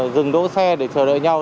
dừng đỗ xe để chờ đợi nhau